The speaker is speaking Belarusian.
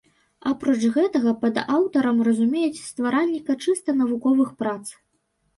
Апроч гэтага, пад аўтарам разумеюць стваральніка чыста навуковых прац.